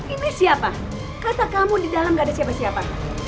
ini siapa kata kamu di dalam gak ada siapa siapa